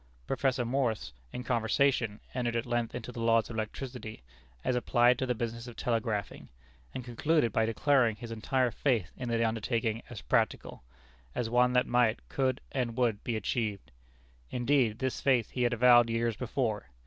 Professor Morse, in conversation, entered at length into the laws of electricity as applied to the business of telegraphing, and concluded by declaring his entire faith in the undertaking as practical; as one that might, could, and would, be achieved. Indeed, this faith he had avowed years before.